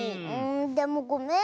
でもごめん。